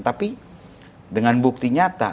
tapi dengan bukti nyata